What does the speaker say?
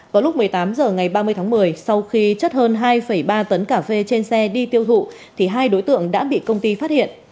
vào lúc một mươi tám h ngày ba mươi tháng một mươi sau khi chất hơn hai ba tấn cà phê trên xe đi tiêu thụ thì hai đối tượng đã bị công ty phát hiện